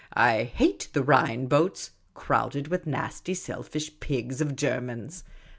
I hate the Rhine boats, crowded with nasty selfish pigs of Germans.